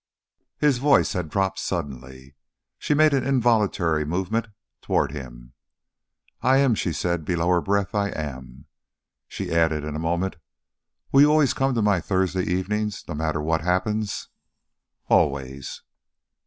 His voice had dropped suddenly. She made an involuntary movement toward him. "I am," she said below her breath. "I am." She added in a moment, "Will you always come to my Thursday evenings, no matter what happens?" "Always."